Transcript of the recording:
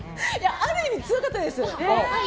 ある意味、強かったです。